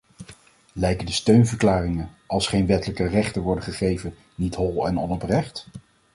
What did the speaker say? Lijken de steunverklaringen, als geen wettelijke rechten worden gegeven, niet hol en onoprecht?